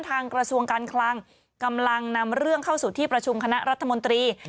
กระทรวงการคลังกำลังนำเรื่องเข้าสู่ที่ประชุมคณะรัฐมนตรี